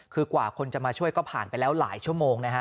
คือกว่าคนจะมาช่วยก็ผ่านไปแล้วหลายชั่วโมงนะฮะ